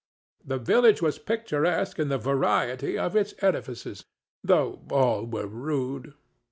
The village was picturesque in the variety of its edifices, though all were rude.